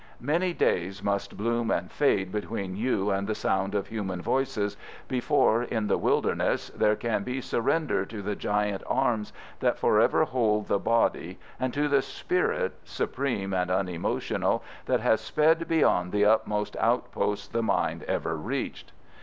Many days must bloom and fade between you and the sound of human voices before, in the wilderness, there can be surrender to the giant arms that forever hold the body, and to the spirit, supreme and unemotional, that has sped beyond the utmost outposts the mind ever reached.